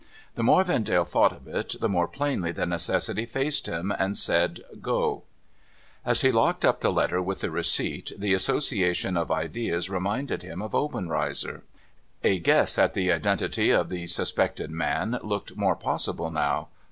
The more Vendale thought of it, the more plainly the necessity faced him, and said ' Go !' As he locked up the letter with the receipt, the association of ideas reminded him of Obenreizer, A guess at the identity of the suspected man looked more possible now.